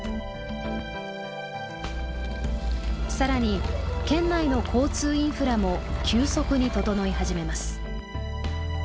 更に県内の交通インフラも急速に整い始めます。